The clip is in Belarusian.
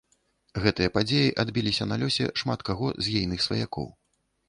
Гэтыя падзеі адбіліся на лёсе шмат каго з ейных сваякоў.